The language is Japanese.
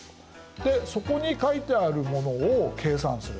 でそこに書いてあるものを計算する。